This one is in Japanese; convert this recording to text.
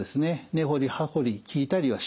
根掘り葉掘り聞いたりはしない